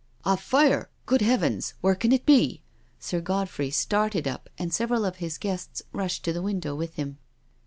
"A fire I Good Heavens I where can it be?'* Sir Godfrey started up, and several of his guests rushed to the window with him.